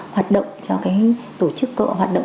hoạt động cho tổ chức cộng đoàn